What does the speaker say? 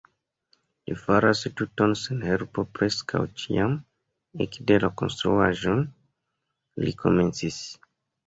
Li faras tuton sen helpo preskaŭ ĉiam, ekde la konstruaĵon li komencis.